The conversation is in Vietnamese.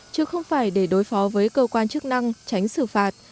chứ không phải để đối phó với cơ quan chức năng tránh xử phạt